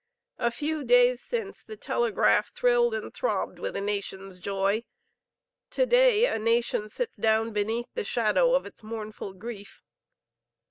A few days since the telegraph thrilled and throbbed with a nation's joy. To day a nation sits down beneath the shadow of its mournful grief.